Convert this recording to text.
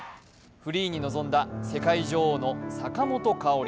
フリーに臨んだ世界女王の坂本花織。